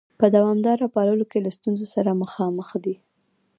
په دوامداره پاللو کې له ستونزو سره مخامخ دي؟